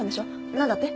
何だって？